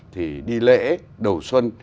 thì đi lễ đầu xuân